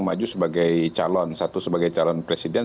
satu sebagai calon presiden satu sebagai calon wakil presiden